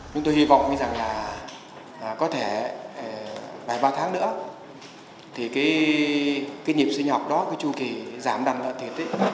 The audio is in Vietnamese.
chúng tôi hy vọng rằng là có thể bài ba tháng nữa thì cái nhịp suy nhọc đó cái chu kỳ giảm đăng lợi thiệt